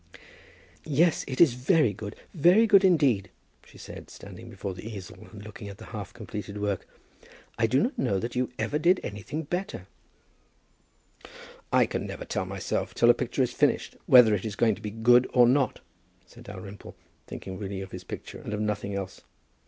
"Yes, it is very good; very good, indeed," she said, standing before the easel, and looking at the half completed work. "I do not know that you ever did anything better." "I never can tell myself till a picture is finished whether it is going to be good or not," said Dalrymple, thinking really of his picture and of nothing else.